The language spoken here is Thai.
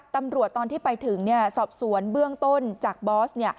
ตอนที่ไปถึงสอบสวนเบื้องต้นจากบอส